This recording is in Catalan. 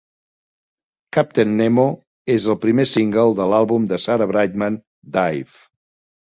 "Captain Nemo" és el primer single de l'àlbum de Sarah Brightman, "Dive".